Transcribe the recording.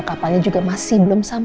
kalau gila aku bisa